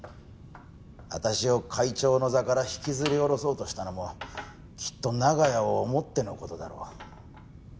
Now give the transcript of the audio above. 私を会長の座から引きずり下ろそうとしたのもきっと長屋を思っての事だろう。